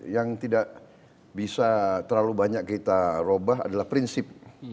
yang tidak bisa terlalu banyak kita ubah adalah prinsip